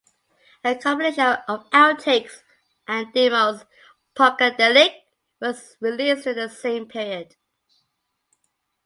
A compilation of out-takes and demos "Punkadelic" was released during the same period.